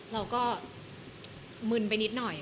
เราก็มึนไปนิดหน่อย